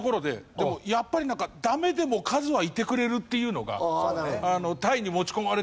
でもやっぱりなんかダメでもカズはいてくれるっていうのがタイに持ち込まれても。